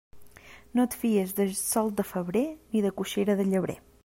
No et fies de sol de febrer ni de coixera de llebrer.